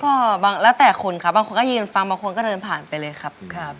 ก็แล้วแต่คนครับบางคนก็ยืนฟังบางคนก็เดินผ่านไปเลยครับ